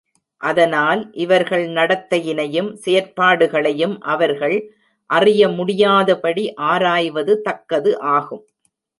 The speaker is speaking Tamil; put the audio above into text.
அதனால், இவர்கள் நடத்தையினையும் செயற்பாடுகளையும் அவர்கள் அறிய முடியாதபடி ஆராய்வது தக்கது ஆகும்.